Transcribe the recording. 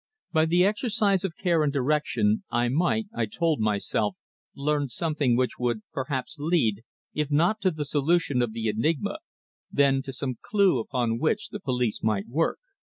By the exercise of care and discretion, I might, I told myself, learn something which would perhaps lead, if not to the solution of the enigma, then to some clue upon which the police might work.